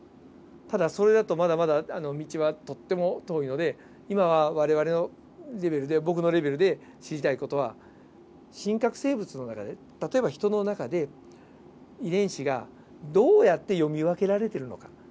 ただそれだとまだまだ道はとっても遠いので今は我々の僕のレベルで知りたい事は真核生物の中で例えばヒトの中で遺伝子がどうやって読み分けられてるのか。